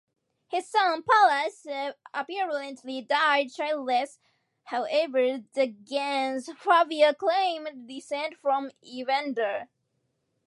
His son Pallas apparently died childless; however, the "gens" Fabia claimed descent from Evander.